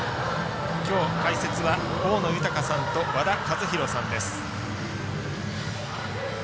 きょう、解説は大野豊さんと和田一浩さんです。